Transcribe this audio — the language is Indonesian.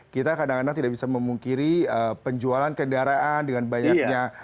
kita kadang kadang tidak bisa memungkiri penjualan kendaraan dengan banyaknya